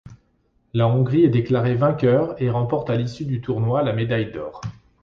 La Hongrie est déclarée vainqueur et remporte à l'issue du tournoi la médaille d'or.